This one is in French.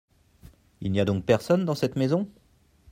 Il n’y a donc personne dans cette maison ?